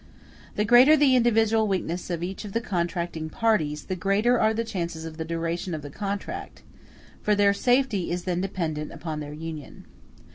] The greater the individual weakness of each of the contracting parties, the greater are the chances of the duration of the contract; for their safety is then dependent upon their union.